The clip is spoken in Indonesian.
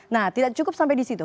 nah tidak cukup sampai di situ